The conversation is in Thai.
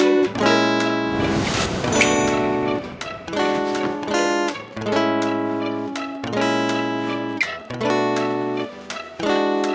สัญญาณที่ทำให้ชีวิตกำลัง